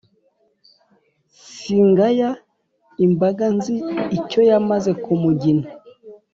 singaya imbaga nzi icyo yamaze ku mugina